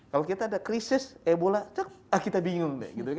kalau kita ada krisis ebola cek kita bingung deh